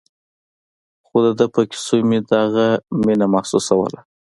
خو د ده په کيسو مې دغه مينه محسوسوله.